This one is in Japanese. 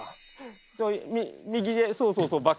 それ右でそうそうそうバック。